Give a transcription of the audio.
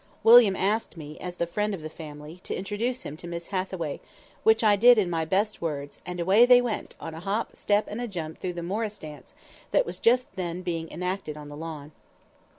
William asked me, as the friend of the family, to introduce him to Miss Hathaway, which I did in my best words, and away they went, on a hop, step and a jump through the Morris dance that was just then being enacted on the lawn.